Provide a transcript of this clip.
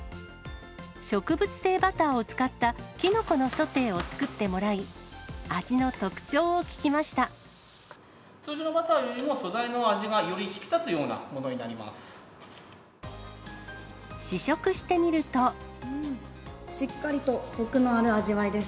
植物性バターを使ったきのこのソテーを作ってもらい、味の特徴を通常のバターよりも、素材の味がより引き立つようなものになります。